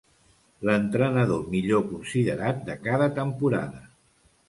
L'entrenador millor considerat de cada temporada.